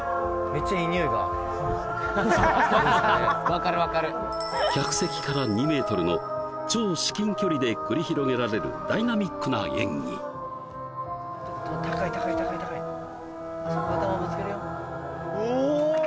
分かる分かる客席から２メートルの超至近距離で繰り広げられるダイナミックな演技頭ぶつけるよ